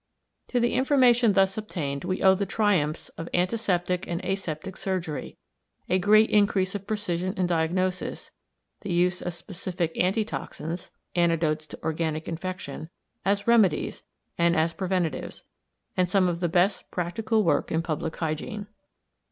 To the information thus obtained we owe the triumphs of antiseptic and aseptic surgery, a great increase of precision in diagnosis, the use of specific antitoxins [antidotes to organic infection] as remedies and as preventives, and some of the best practical work in public hygiene.